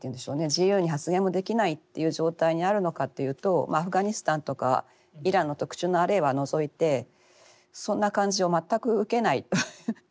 自由に発言もできないっていう状態にあるのかっていうとアフガニスタンとかイランの特殊な例は除いてそんな感じを全く受けないという。